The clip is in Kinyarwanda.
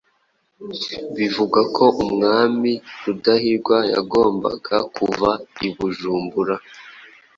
Bivugwa ko Umwami Rudahigwa yagombaga kuva i Bujumbura